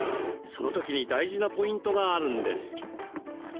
その時に大事なポイントがあるんです。